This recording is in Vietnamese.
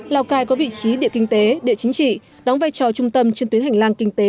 lào cai có vị trí địa kinh tế địa chính trị đóng vai trò trung tâm trên tuyến hành lang kinh tế